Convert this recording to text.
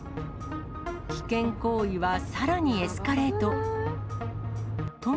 危険行為はさらにエスカレート。